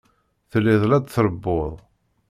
Telliḍ la d-trebbuḍ.